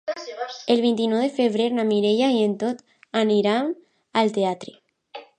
El vint-i-nou de febrer na Mireia i en Tom aniran al teatre.